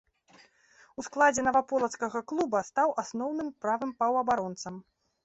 У складзе наваполацкага клуба стаў асноўным правым паўабаронцам.